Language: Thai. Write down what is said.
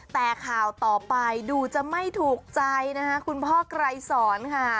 แต่ข่าวต่อไปดูจะไม่ถูกใจนะคะคุณพ่อไกรสอนค่ะ